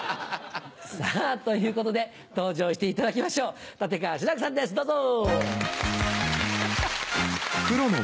さぁということで登場していただきましょう立川志らくさんですどうぞ！